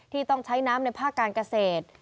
ต้องใช้น้ำในภาคการเกษตร